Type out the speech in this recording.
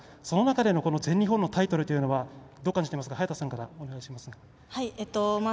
その中での、この全日本のタイトルというのはどう感じていますか？